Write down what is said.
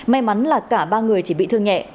may mắn là cả ba người chỉ bị thương nhẹ